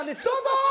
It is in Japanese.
どうぞ！